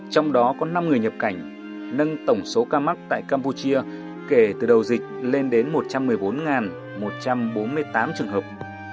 trong đó có năm người nhập cảnh nâng tổng số ca mắc tại campuchia kể từ đầu dịch lên đến một trăm một mươi bốn một trăm bốn mươi tám trường hợp